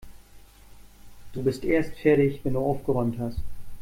Du bist erst fertig, wenn du aufgeräumt hast.